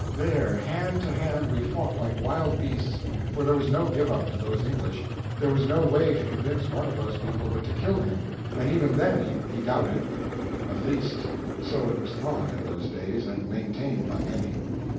There, hand to hand, we fought like wild beasts, for there was no give up to those English—there was no way to convince one of those people but to kill him, and even then he doubted. At least so it was thought, in those days, and maintained by many.